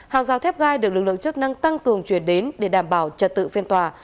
hàng rào thép gai được lực lượng chức năng tăng cường chuyển đến để đảm bảo trật tự phiên tòa